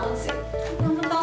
ella minta dibawain